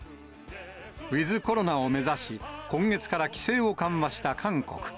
ウィズコロナを目指し、今月から規制を緩和した韓国。